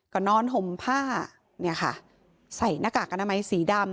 ก็นอนห่มผ้าใส่หน้ากากอนามัยสีดำ